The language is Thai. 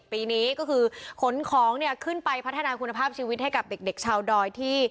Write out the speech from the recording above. ปีนี้ก็คือขนของเนี่ยขึ้นไปพัฒนาคุณภาพชีวิตให้กับเด็กชาวดอยที่